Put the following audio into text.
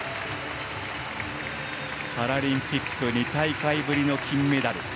パラリンピック２大会ぶりの金メダル。